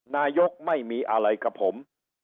นายกไม่มีอะไรกับผม